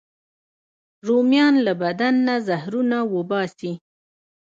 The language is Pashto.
رومیان له بدن نه زهرونه وباسي